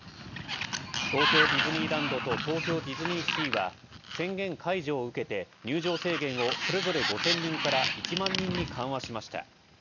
東京ディズニーランドと東京ディズニーシーは「宣言」解除を受けて、入場制限をそれぞれ５０００人から１万人に緩和しました。